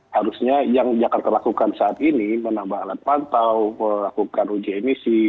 harusnya yang jakarta lakukan saat ini menambah alat pantau melakukan uji emisi